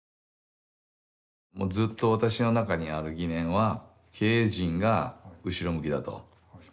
もうずっと私の中にある疑念は経営陣が後ろ向きだと。